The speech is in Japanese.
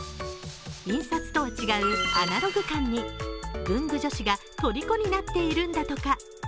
印刷とは違うアナログ感に文具女子がとりこになっているんだとか。